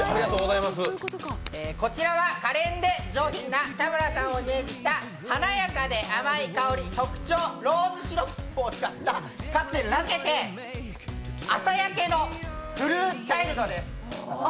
こちらはかれんで上品な田村さんをイメージした華やかで甘い香り、特徴、ローズシロップを使ったカクテルで朝焼けのトゥルーチャイルドです。